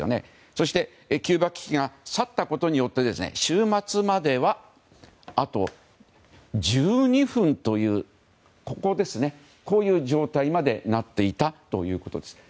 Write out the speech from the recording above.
そして、キューバ危機が去ったことによって終末までは、あと１２分という状態までなっていたんです。